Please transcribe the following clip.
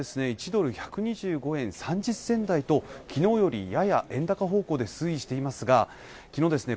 １ドル１２５円３０銭台と昨日よりやや円高方向で推移していますが昨日ですね